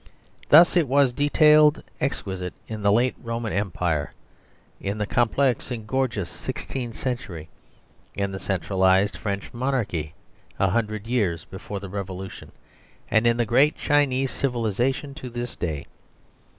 Thus it was detailed exquisite in the late Roman Empire, in the complex and gorgeous sixteenth century, in the centralised French monarchy a hundred years before the Revolution, and in the great Chinese civilisation to this day.